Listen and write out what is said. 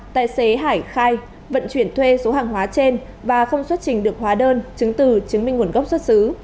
tài xế hải khai vận chuyển thuê số hàng hóa trên và không xuất trình được hóa đơn chứng từ chứng minh nguồn gốc xuất xứ